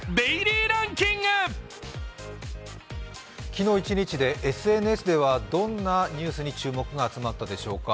昨日一日で、ＳＮＳではどんなニュースに注目が集まったでしょうか。